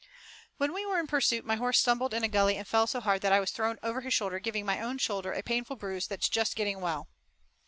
"When we were in pursuit my horse stumbled in a gully and fell so hard that I was thrown over his shoulder, giving my own shoulder a painful bruise that's just getting well."